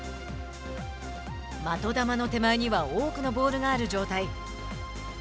的球の手前には多くのボールがある状態。